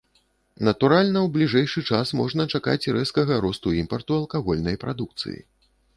Натуральна, у бліжэйшы час можна чакаць рэзкага росту імпарту алкагольнай прадукцыі.